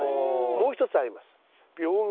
もう１つあります。